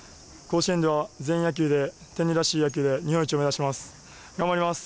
甲子園では全員野球で天理らしい野球で日本一を目指します。